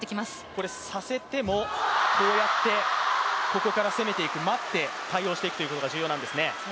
これ、させても、こうやって、ここから攻めていく、待って対応していくということが重要なんですね。